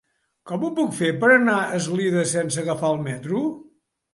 Com ho puc fer per anar a Eslida sense agafar el metro?